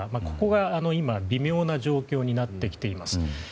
ここが今、微妙な状況になってきています。